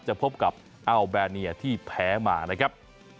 พบกับอัลแบเนียที่แพ้มานะครับ